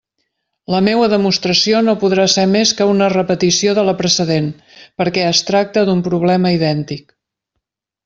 La meua demostració no podrà ser més que una repetició de la precedent, perquè es tracta d'un problema idèntic.